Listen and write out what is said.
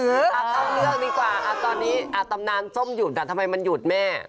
เอาเข้าเรื่องดีกว่าตอนนี้ตำนานส้มหยุดทำไมมันหยุดแม่